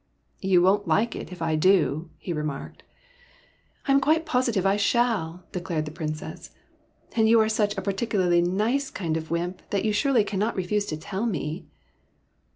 " You won't like it, if I do," he remarked. " I am quite positive I shall," declared the Princess ;'' and you are such a particularly nice kind of wymp that you surely cannot refuse to tell me